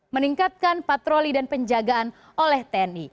meningkatkan patroli dan penjagaan oleh tni